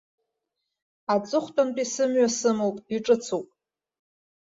Аҵыхәтәантәи сымҩа сымоуп, иҿыцуп.